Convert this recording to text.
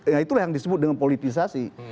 ya itulah yang disebut dengan politisasi